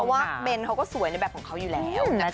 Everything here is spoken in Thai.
เพราะว่าเบนเขาก็สวยในแบบของเขาอยู่แล้ว